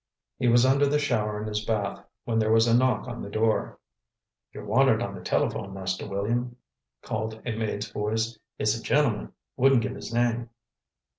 He was under the shower in his bath when there was a knock on the door. "You're wanted on the telephone, Master William," called a maid's voice. "It's a gentleman—wouldn't give his name."